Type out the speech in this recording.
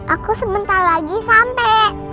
aku sebentar lagi sampai